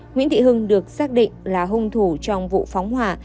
nguyễn thị hưng được xác định là hung thủ trong vụ phóng hỏa